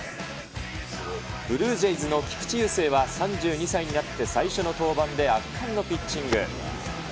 ブルージェイズの菊池雄星は、３２歳になって最初の登板で圧巻のピッチング。